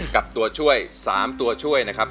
กับตัวช่วย๓ตัวช่วยนะครับ